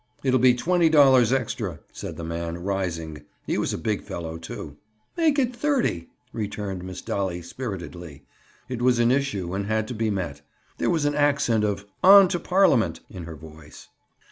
"It'll be twenty dollars extra," said the man, rising. He was a big fellow, too. "Make it thirty," returned Miss Dolly spiritedly. It was an issue and had to be met. There was an accent of "On to Parliament!" in her voice.